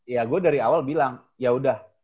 ya gue dari awal bilang ya udah